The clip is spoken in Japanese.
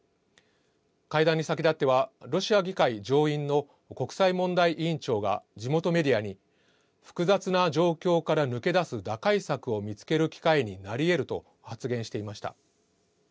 会談に先立っては、ロシア議会上院の国際問題委員長が地元メディアに、複雑な状況から抜け出す打開策を見つける機会になりえると発言していました。